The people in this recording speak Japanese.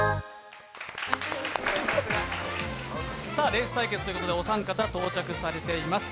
レース対決ということでお三方、到着されています。